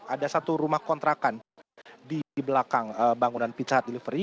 ada satu rumah kontrakan di belakang bangunan pizza hut delivery